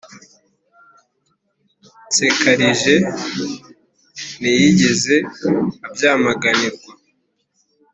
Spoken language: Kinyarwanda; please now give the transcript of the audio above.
nsekalije ntiyigeze abyamaganirwa.